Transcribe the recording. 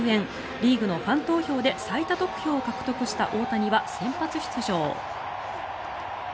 リーグのファン投票で最多得票を獲得した大谷は先発出場。